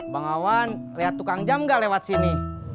bangawan lihat tukang jam gak lewat sini